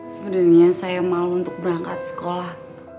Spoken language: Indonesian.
sebenernya saya malu untuk berangkat sekolah